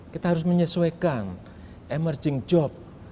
kita harus menyesuaikan emerging job